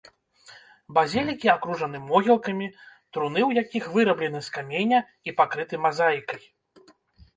Базілікі акружаны могілкамі, труны ў якіх выраблены з каменя і пакрыты мазаікай.